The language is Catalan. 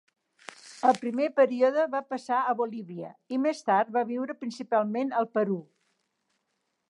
El primer període va passar a Bolívia, i més tard va viure principalment al Perú.